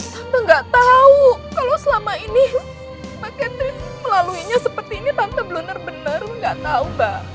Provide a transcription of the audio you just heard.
tante gak tau kalau selama ini mbak catherine melaluinya seperti ini tante benar benar gak tau mbak